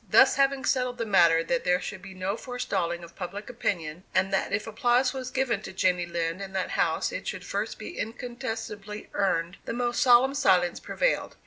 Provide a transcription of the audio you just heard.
Thus, having settled the matter that there should be no forestalling of public opinion, and that if applause was given to Jenny Lind in that house it should first be incontestably earned, the most solemn silence prevailed.